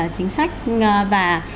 chính sách và